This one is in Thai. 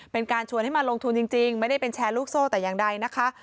เป็นการชวนให้มาลงทุนจริงไม่ได้เป็นแชร์ลูกโซ่แต่อย่างใดนะคะ